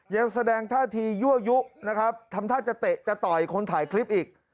ยังแสดงท่าทียั่วยุนะครับทำท่าจะเตะจะต่อยคนถ่ายคลิปอีก